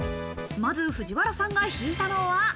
まず、藤原さんが引いたのは。